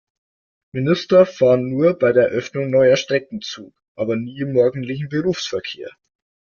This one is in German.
Minister fahren nur bei der Eröffnung neuer Strecken Zug, aber nie im morgendlichen Berufsverkehr.